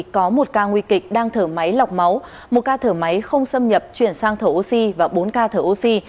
có một ca nguy kịch đang thở máy lọc máu một ca thở máy không xâm nhập chuyển sang thở oxy và bốn ca thở oxy